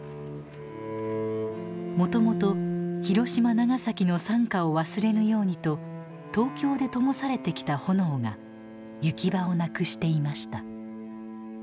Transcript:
もともと広島長崎の惨禍を忘れぬようにと東京でともされてきた炎が行き場をなくしていました。